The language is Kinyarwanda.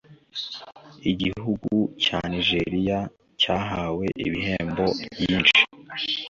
Igihugu cya Nigeria cyahawe ibihembo byinshi